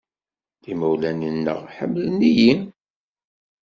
Imawlan-nneɣ ḥemmlen-iyi.